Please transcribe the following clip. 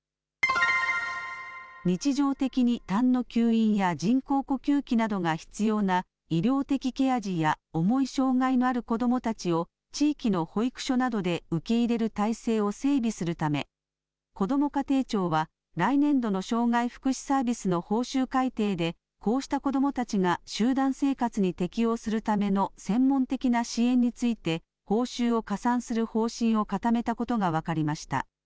日常的にたんの吸引や人工呼吸器などが必要な、医療的ケア児や重い障害のある子どもたちを、地域の保育所などで受け入れる体制を整備するため、こども家庭庁は、来年度の障害福祉サービスの報酬改定で、こうした子どもたちが集団生活に適応するための専門的な支援について、報酬を加算する方針を固めたことが分かりました。